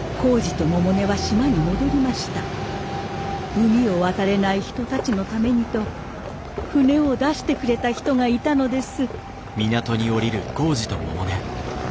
海を渡れない人たちのためにと船を出してくれた人がいたのです。